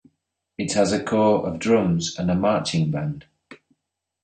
It has a Corps of Drums and a "Marching" Band.